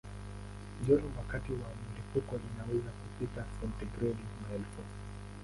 Joto wakati wa mlipuko inaweza kufikia sentigredi maelfu.